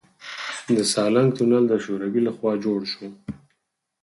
د سالنګ تونل د شوروي لخوا جوړ شو